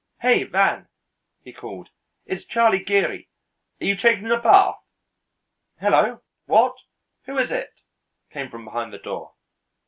"Hey, Van!" he called. "It's Charlie Geary. Are you taking a bath?" "Hello! What? Who is it?" came from behind the door.